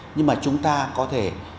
nhưng mà chúng ta có thể